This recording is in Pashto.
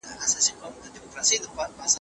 ذهني فشار کم کړه